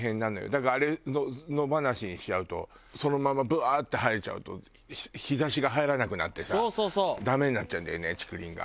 だからあれ野放しにしちゃうとそのままブワーッて生えちゃうと日差しが入らなくなってさダメになっちゃうんだよね竹林が。